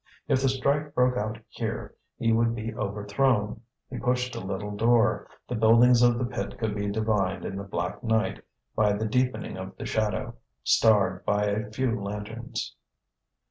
If the strike broke out here, he would be overthrown. He pushed a little door: the buildings of the pit could be divined in the black night, by the deepening of the shadow, starred by a few lanterns.